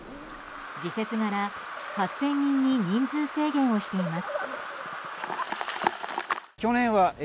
時節柄、８０００人に人数制限をしています。